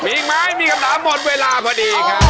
มีอีกมั้ยมีคำถามหมดเวลาพอดีค่ะ